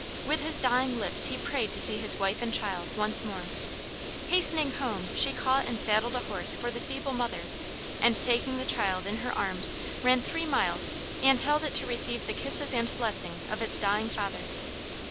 With his dying lips he prayed to see his wife and child once more; hastening home, she caught and saddled a horse for the feeble mother, and taking the child in her arms ran three miles and held it to receive the kisses and blessing of its dying father.